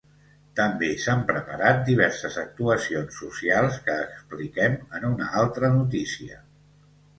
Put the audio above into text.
També s’han preparat diverses actuacions socials que expliquem en una altra notícia.